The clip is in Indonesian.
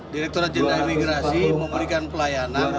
direkturat jenderal imigrasi memberikan pelayanan